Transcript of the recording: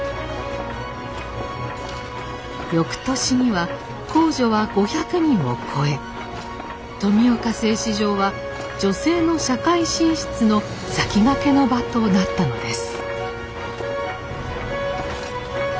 翌年には工女は５００人を超え富岡製糸場は女性の社会進出の先駆けの場となったのです。